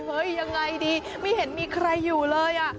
ยังไงดีไม่เห็นมีใครอยู่เลยอ่ะ